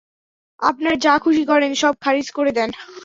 আপনার যা খুশি করেন, সব খারিজ করে দেন।